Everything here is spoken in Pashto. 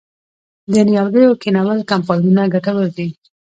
د نیالګیو کینول کمپاینونه ګټور دي؟